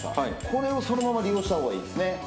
これをそのまま利用したほうがいいですね。